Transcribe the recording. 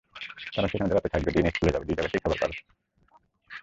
তারা সেখানে রাতে থাকবে, দিনে স্কুলে যাবে, দুই জায়গাতেই খাবার পাবে।